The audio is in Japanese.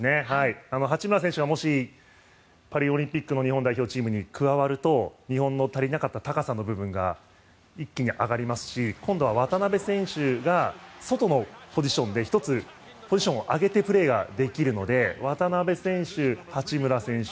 八村選手がもしパリオリンピックの日本代表チームに加わると日本の足りなかった高さの部分が一気に上がりますし今度は渡邊選手が外のポジションで１つポジションを上げてプレーができるので渡邊選手、八村選手